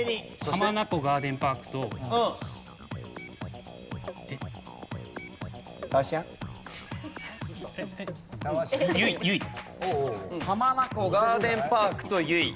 浜名湖ガーデンパークと由比。